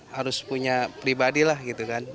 harus punya pribadi lah gitu kan